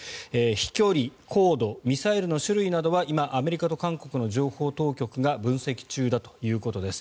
飛距離、高度ミサイルの種類などは今、アメリカと韓国の情報当局が分析中だということです。